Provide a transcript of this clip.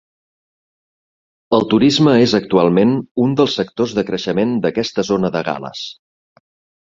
El turisme es actualment un dels sectors de creixement d'aquesta zona de Gal·les.